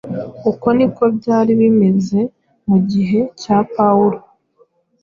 Uko ni ko byari bimeze mu gihe cya Pawulo,